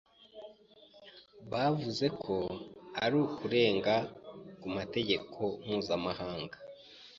Bavuze ko ari ukurenga ku mategeko mpuzamahanga.